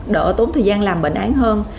đỡ tốn thời gian làm bệnh án hơn